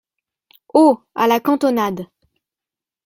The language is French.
Haut, à la cantonade.